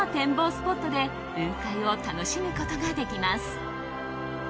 スポットで雲海を楽しむことができます。